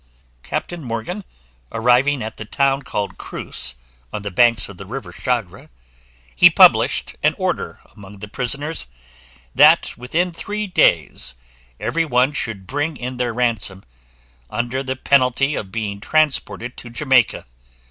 Captain Morgan arriving at the town called Cruz, on the banks of the river Chagre, he published an order among the prisoners, that within three days every one should bring in their ransom, under the penalty of being transported to Jamaica.